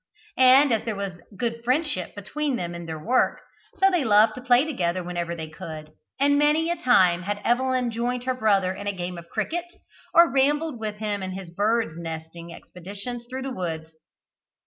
And as there was good fellowship between them in their work, so they loved to play together whenever they could, and many a time had Evelyn joined her brother in a game of cricket, or rambled with him in his birds nesting expeditions through the woods.